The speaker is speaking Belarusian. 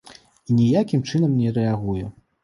І ніякім чынам не рэагуе.